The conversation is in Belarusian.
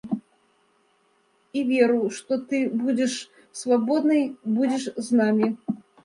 І веру, што ты будзеш свабоднай, будзеш з намі.